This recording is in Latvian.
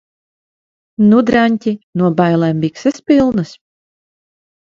Nu, draņķi? No bailēm bikses pilnas?